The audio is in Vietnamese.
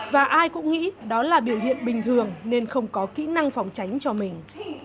và ai cũng nghĩ đó là biểu hiện bình thường nên không có kỹ năng phòng tránh cho mình